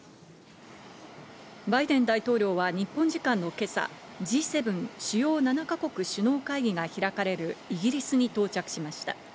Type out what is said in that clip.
バイデン大統領は日本時間の今朝、Ｇ７＝主要７か国首脳会議が開かれるイギリスに到着しました。